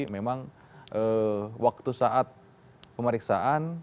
memang waktu saat pemeriksaan